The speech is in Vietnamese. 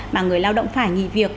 mà người lao động phải nghỉ việc